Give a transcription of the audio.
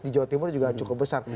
di jawa timur juga cukup besar